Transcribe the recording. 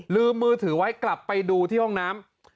ลืมมือถือไว้กลับไปดูที่ห้องน้ำ